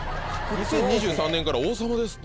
２０２３年から王様ですって。